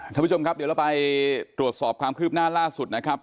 ท่านผู้ชมครับเดี๋ยวเราไปตรวจสอบความคืบหน้าล่าสุดนะครับ